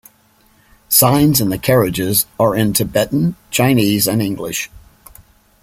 Signs in the carriages are in Tibetan, Chinese, and English.